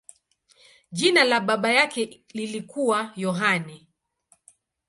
Jina la baba yake lilikuwa Yohane.